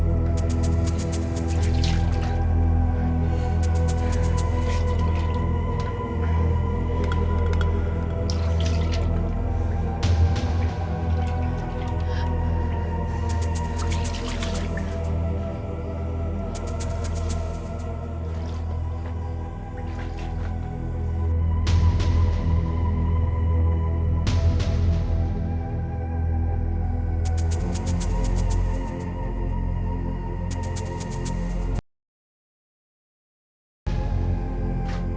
ini jalan keluar yang dibicarakan pak komar